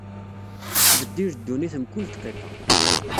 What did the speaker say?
Tettbeddil ddunit mkul dqiqa.